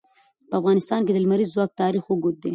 په افغانستان کې د لمریز ځواک تاریخ اوږد دی.